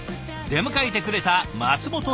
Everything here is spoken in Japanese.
出迎えてくれた松本拓己さん。